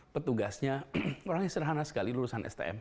petugasnya orang yang sederhana sekali lulusan stm